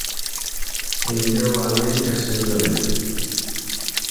Emigrou a América sendo neno.